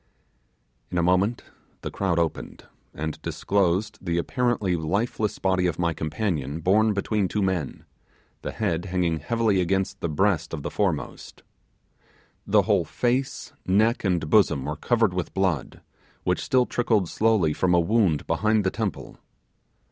In a moment the crowd opened, and disclosed the apparently lifeless body of my companion home between two men, the head hanging heavily against the breast of the foremost. The whole face, neck, back, and bosom were covered with blood, which still trickled slowly from a wound behind the temple.